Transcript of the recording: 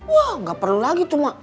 wah gak perlu lagi tuh emak